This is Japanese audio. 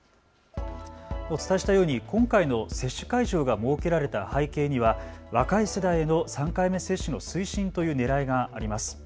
お伝えしたように今回の接種会場が設けられた背景には若い世代への３回目接種の推進というねらいがあります。